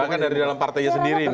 bahkan dari dalam partainya sendiri